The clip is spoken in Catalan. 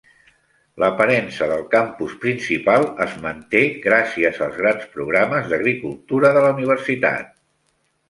L'aparença del campus principal es manté gràcies als grans programes d'agricultura de la universitat.